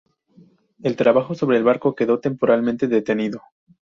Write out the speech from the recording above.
El trabajo sobre el barco quedó temporalmente detenido.